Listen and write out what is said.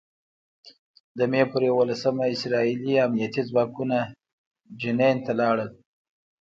د مې په یوولسمه اسراييلي امنيتي ځواکونه جنین ته لاړل.